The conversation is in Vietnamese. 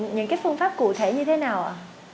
những cái phương pháp cụ thể như thế nào ạ